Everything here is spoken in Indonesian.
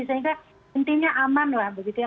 sehingga intinya aman lah begitu ya